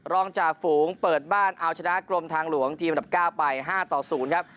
จ่าฝูงเปิดบ้านเอาชนะกรมทางหลวงทีมอันดับ๙ไป๕ต่อ๐ครับ